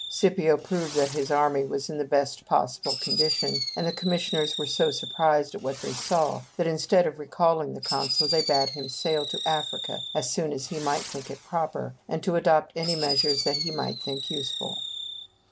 Scipio proved that his army was in the best possible condition; and the commissioners were so surprised at what they saw, that instead of recalling the consul, they bade him sail to Africa as soon as he might think it proper, and to adopt any measures that he might think useful.